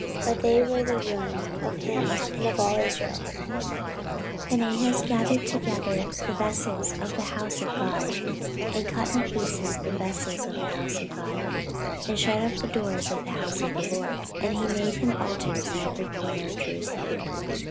But they were the ruin of him, and of all Israel. 14:028:024 And Ahaz gathered together the vessels of the house of God, and cut in pieces the vessels of the house of God, and shut up the doors of the house of the LORD, and he made him altars in every corner of Jerusalem.